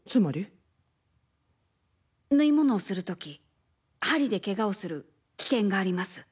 縫い物をする時針でけがをする危険があります。